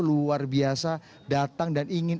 luar biasa datang dan ingin